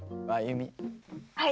はい。